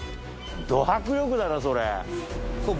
ど迫力だなそれ。